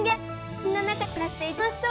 みんな仲よく暮らしていて楽しそう！